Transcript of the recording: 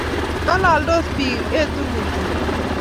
Ngalaldos bik, etu kutit